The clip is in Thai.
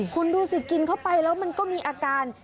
คุณดูสิกินเข้าไปแล้วมันก็มีอาการ